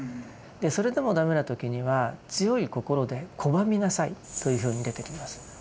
それでも駄目な時には強い心で拒みなさいというふうに出てきます。